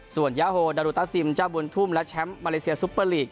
ส่วนยาโฮดารุตาซิมเจ้าบุญทุ่มและแชมป์มาเลเซียซุปเปอร์ลีก